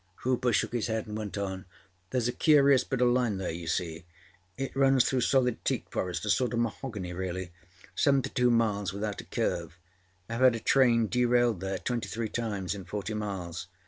Hooper shook his head and went on: âThereâs a curious bit oâ line there, you see. It runs through solid teak forestâa sort oâ mahogany reallyâseventy two miles without a curve. Iâve had a train derailed there twenty three times in forty miles.